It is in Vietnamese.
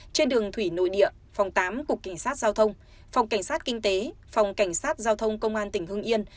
trên đường thủy nội địa phòng tám cục cảnh sát giao thông phòng cảnh sát kinh tế phòng cảnh sát giao thông công an tỉnh hưng yên